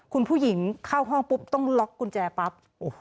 คุณผู้หญิงเข้าห้องปุ๊บต้องล็อกกุญแจปั๊บ